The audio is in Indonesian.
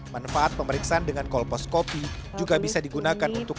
manfaat pemeriksaan dengan kolposcopy juga bisa digunakan untuk